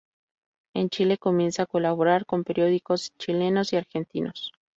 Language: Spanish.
En Chile comienza a colaborar con periódicos chilenos y argentinos.